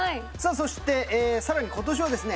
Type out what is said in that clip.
そしてさらに今年はですね